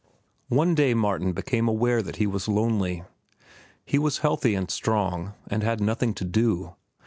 One day Martin became aware that he was lonely. He was healthy and strong, and had nothing to do.